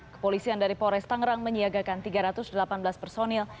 kepolisian dari polres tangerang menyiagakan tiga ratus delapan belas personil